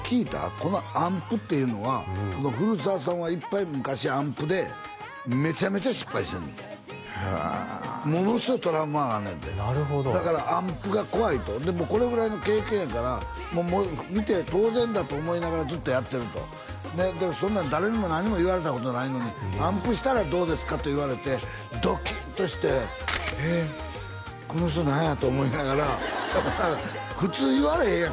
この暗譜っていうのはこの古澤さんはいっぱい昔暗譜でめちゃめちゃ失敗してんねんへえものすごいトラウマがあんねんてなるほどだから暗譜が怖いともうこれぐらいの経験やからもう見て当然だと思いながらずっとやってるとだからそんなん誰にも何にも言われたことないのに「暗譜したらどうですか？」と言われてドキッとして「えっこの人何や？」と思いながら普通言われへんやん